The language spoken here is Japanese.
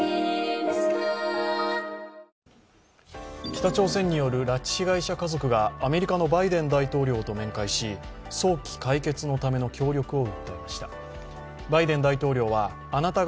北朝鮮による拉致被害者家族がアメリカのバイデン大統領と面会し、早期解決のための協力を訴えました。